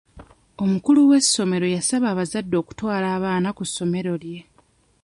Omukulu w'essomero yasaba abazadde okutwala abaana ku ssomero lye.